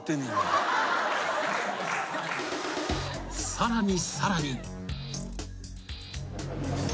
［さらにさらに］